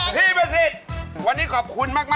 พี่ประสิทธิ์วันนี้ขอบคุณมาก